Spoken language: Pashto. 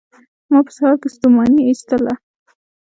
ما په سهار کې ستوماني ایستله